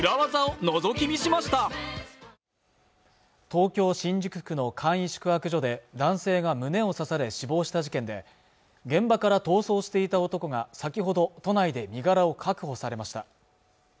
東京・新宿区の簡易宿泊所で男性が胸を刺され死亡した事件で現場から逃走していた男が先ほど都内で身柄を確保されました